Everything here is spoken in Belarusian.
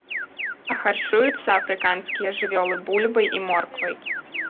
А харчуюцца афрыканскія жывёлы бульбай і морквай.